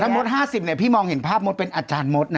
แต่ระทะบมดห้าสิบพี่มองเห็นภาพมดเป็นอาจารย์มด่ะฮะ